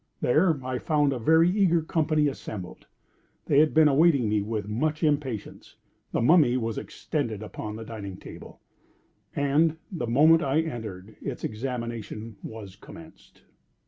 There I found a very eager company assembled. They had been awaiting me with much impatience; the Mummy was extended upon the dining table; and the moment I entered its examination was commenced.